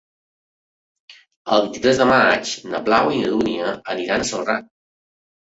El vint-i-tres de maig na Blau i na Dúnia aniran a Celrà.